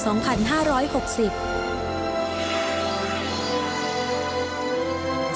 ฉบับวันที่๒๐ตุลาคมพุทธศักราช๒๕๖๐